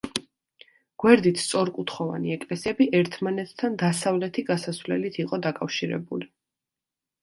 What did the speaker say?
გვერდით სწორკუთხოვანი ეკლესიები ერთმანეთთან დასავლეთი გასასვლელით იყო დაკავშირებული.